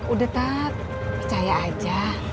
udah tat percaya aja